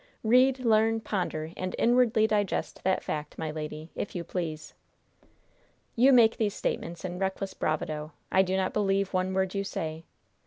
'Read, learn, ponder and inwardly digest' that fact, my lady, if you please." "You make these statements in reckless bravado. I do not believe one word you say.